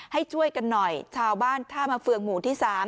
ให้ช่วยกันหน่อยชาวบ้านท่ามาเฟืองหมู่ที่๓